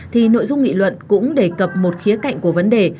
thì nội dung nghị luận cũng đề cập một khía cạnh của vấn đề